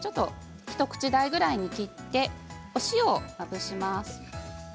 一口大くらいに切ってお塩をまぶします。